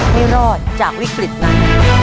ให้รอดจากวิกฤตนั้น